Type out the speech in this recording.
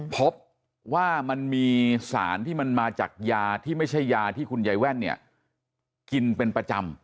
พบว่ามันมีสารที่มันมาจากยาที่ไม่ใช่ยาที่คุณยายแว่นเนี่ยกินเป็นประจำ